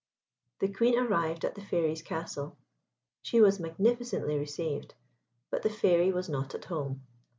The Queen arrived at the Fairy's castle. She was magnificently received; but the Fairy was not at home.